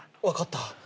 分かった。